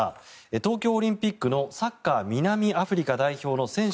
東京オリンピックのサッカー南アフリカ代表の選手